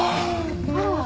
あら。